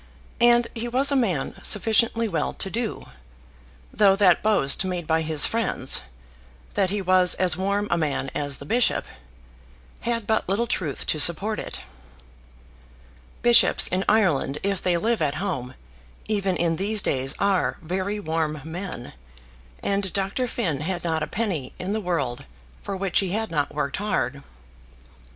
And he was a man sufficiently well to do, though that boast made by his friends, that he was as warm a man as the bishop, had but little truth to support it. Bishops in Ireland, if they live at home, even in these days, are very warm men; and Dr. Finn had not a penny in the world for which he had not worked hard.